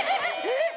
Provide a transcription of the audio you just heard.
えっ？